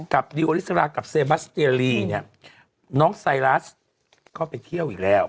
ดิวอริสรากับเซบัสเตียลีเนี่ยน้องไซรัสเข้าไปเที่ยวอีกแล้ว